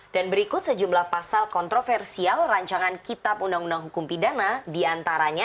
dan berikut sejumlah pasal kontroversial rancangan kitab undang undang hukum pidana diantaranya